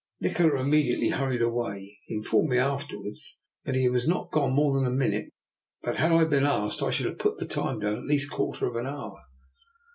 Nikola imme diately hurried away. He informed me after wards that he was not gone more than a min ute, but had I been asked I should have put the time down at at least a quarter of an hour.